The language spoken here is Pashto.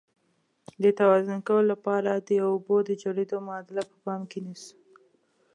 د توازن کولو لپاره د اوبو د جوړیدو معادله په پام کې نیسو.